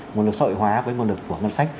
nguồn lực sợi hóa với nguồn lực của ngân sách